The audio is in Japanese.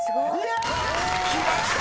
［きました！